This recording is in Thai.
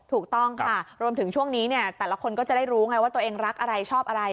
ถูกต้องค่ะรวมถึงช่วงนี้เนี่ยแต่ละคนก็จะได้รู้ไงว่าตัวเองรักอะไรชอบอะไร